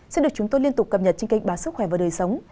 xin được chúng tôi liên tục cập nhật trên kênh báo sức khỏe và đời sống